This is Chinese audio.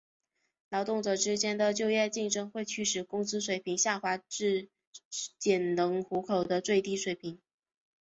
劳动者之间的就业竞争会驱使工资水平下滑至仅能糊口的最低水平。